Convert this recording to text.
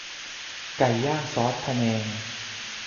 ไก่ย่างซอสพะแนง